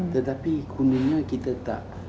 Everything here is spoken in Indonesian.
tetapi kuninya kita tak